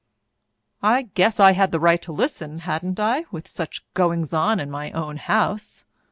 "I guess I had a right to listen, hadn't I, with such goings on in my own house?